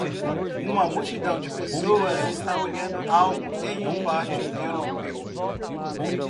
Uma multidão de pessoas está olhando algo em um pátio europeu.